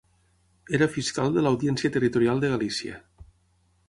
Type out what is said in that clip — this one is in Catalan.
Era fiscal de l'Audiència Territorial de Galícia.